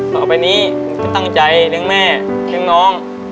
ต่อไปนี้จะตั้งใจเลี้ยงแม่เลี้ยงน้อง